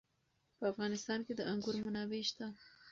په افغانستان کې د انګور منابع شته.